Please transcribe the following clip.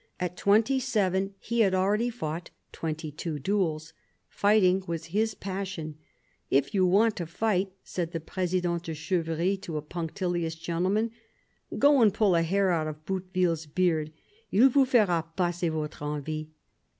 At twenty seven he had already fought twenty two duels. Fighting was his passion. " If you want to fight," said the President de Chevry to a punctilious gentleman, " go and pull a hair out of Bouteville's beard ; il vous fera passer voire envie."